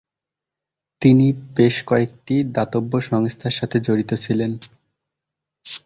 তিনি বেশ কয়েকটি দাতব্য সংস্থার সাথে জড়িত ছিলেন।